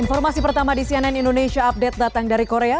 informasi pertama di cnn indonesia update datang dari korea